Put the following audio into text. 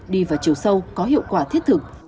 đi vào chiều sâu có hiệu quả thiết thực